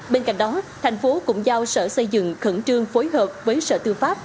bên cạnh đó thành phố cũng giao sở xây dựng khẩn trương phối hợp với sở tư pháp